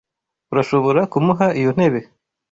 Urashobora kumuha iyo ntebe?